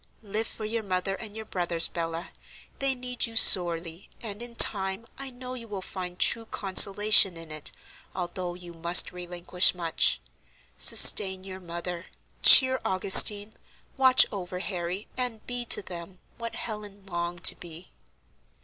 "Live for your mother and your brothers, Bella; they need you sorely, and in time I know you will find true consolation in it, although you must relinquish much. Sustain your mother, cheer Augustine, watch over Harry, and be to them what Helen longed to be."